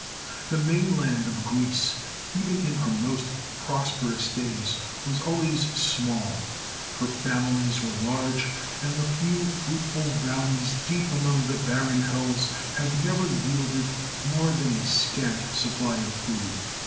The main land of Greece, even in her most prosperous days, was always small ; her families were large, and the few fruitful valleys deep among the barren hills have never yielded more than a scant supply of food.